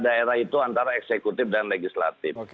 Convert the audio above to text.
daerah itu antara eksekutif dan legislatif